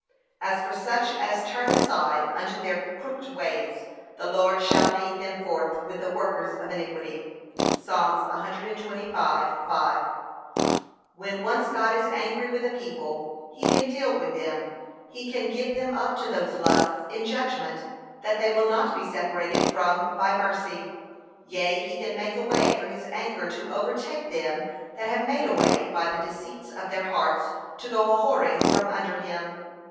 'As for such as turn aside unto their crooked ways, the Lord shall lead them forth with the workers of iniquity.' (Psa. 125:5) When once God is angry with a people, he can deal with them, he can give them up to those lusts in judgment, that they will not be separated from by mercy. Yea, he can make a way for his anger to overtake them that have made a way, by the deceits of their hearts, to go a whoring from under him.